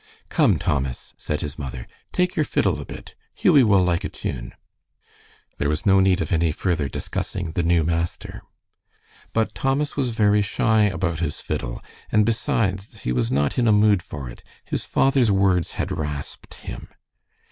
"Come, Thomas," said his mother, "take your fiddle a bit. Hughie will like a tune." There was no need of any further discussing the new master. But Thomas was very shy about his fiddle, and besides he was not in a mood for it; his father's words had rasped him.